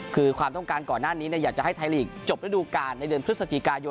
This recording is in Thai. คือความต้องการก่อนหน้านี้อยากจะให้ไทยลีกจบระดูการในเดือนพฤศจิกายน